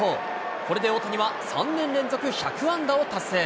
これで大谷は３年連続１００安打を達成。